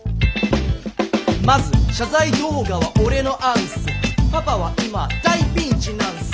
まず謝罪動画は俺の案ッスパパは今大ピンチなんッス